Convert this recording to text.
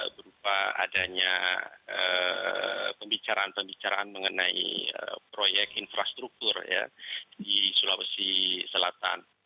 berupa adanya pembicaraan pembicaraan mengenai proyek infrastruktur di sulawesi selatan